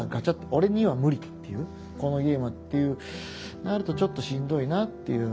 「俺には無理」っていう「このゲームは」っていうなるとちょっとしんどいなっていう。